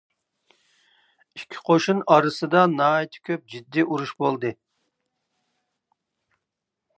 ئىككى قوشۇن ئارىسىدا ناھايىتى كۆپ جىددىي ئۇرۇش بولدى.